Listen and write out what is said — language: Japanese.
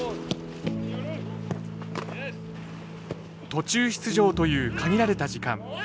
途中出場という限られた時間。